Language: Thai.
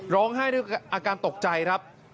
ร้องไห้ด้วยอาการตกใจครับ